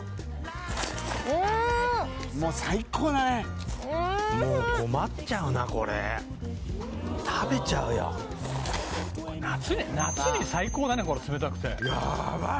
もう最高だねもう困っちゃうなこれ食べちゃうよ夏に最高だねこれ冷たくて・やーばい